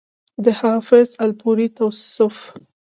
د حافظ الپورئ تصوف